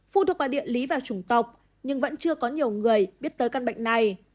phụ thuộc vào địa lý và trùng tộc nhưng vẫn chưa có nhiều người biết tới căn bệnh này